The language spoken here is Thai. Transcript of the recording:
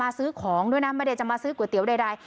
ซื้อของด้วยนะไม่ได้จะมาซื้อก๋วยเตี๋ยวใด